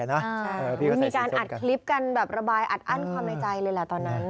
มีการอัดคลิปกันแบบระบายอัดอั้นความในใจเลยแหละตอนนั้น